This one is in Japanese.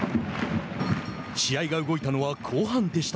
試合が動いたのは後半でした。